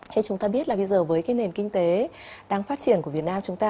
thế chúng ta biết là bây giờ với cái nền kinh tế đang phát triển của việt nam chúng ta